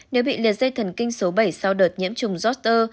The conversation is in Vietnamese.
nếu bị liệt dây thần kinh số bảy sau đợt nhiễm trùng roster